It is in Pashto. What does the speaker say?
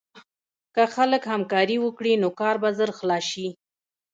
که خلک همکاري وکړي، نو کار به ژر خلاص شي.